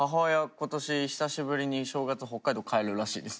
今年久しぶりに正月北海道帰るらしいです。